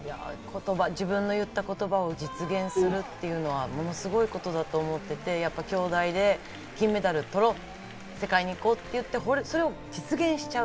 自分の言った言葉を実現するっていうのはものすごいことだと思っていて、きょうだいで金メダルを取ろう、世界に行こうと言って、それを実現しちゃう。